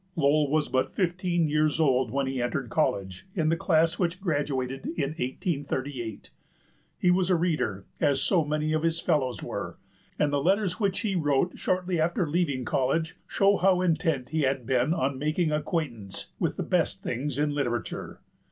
Lowell was but fifteen years old when he entered college in the class which graduated in 1838. He was a reader, as so many of his fellows were, and the letters which he wrote shortly after leaving college show how intent he had been on making acquaintance with the best things in literature.